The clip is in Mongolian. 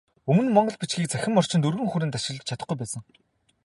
Өмнө монгол бичгийг цахим орчинд өргөн хүрээнд ашиглаж чадахгүй байсан.